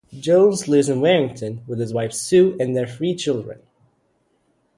Jones lives in Warrington, with his wife Sue and their three children.